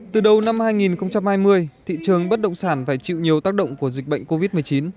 từ đầu năm hai nghìn hai mươi thị trường bất động sản phải chịu nhiều tác động của dịch bệnh covid một mươi chín